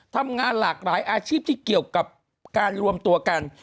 ทำงานหลากหลายอาชีพที่เกี่ยวกับการรวมตัวกัน